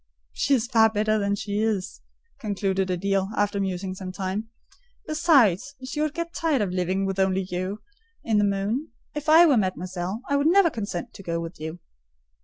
"She is far better as she is," concluded Adèle, after musing some time: "besides, she would get tired of living with only you in the moon. If I were mademoiselle, I would never consent to go with you."